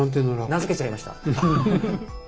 名付けちゃいました。